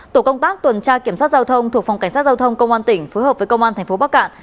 tổ công tác tuần tra kiểm soát giao thông thuộc phòng cảnh sát giao thông công an tỉnh phối hợp với công an thành phố bắc cạn